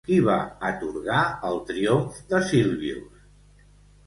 Qui va atorgar el triomf de Silvius?